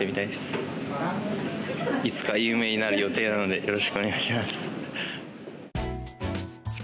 いつか有名になる予定なのでよろしくお願いします。